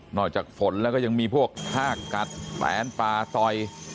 จากฝนแล้วก็ยังมีพวกท่ากัดแปนป่าต่อย